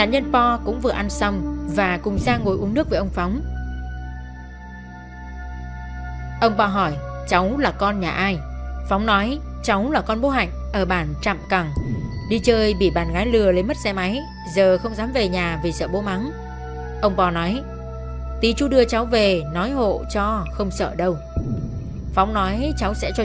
hẹn gặp lại các bạn trong những video tiếp theo